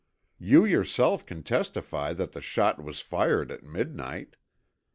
You yourself can testify that the shot was fired at midnight.